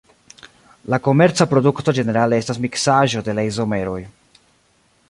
La komerca produkto ĝenerale estas miksaĵo de la izomeroj.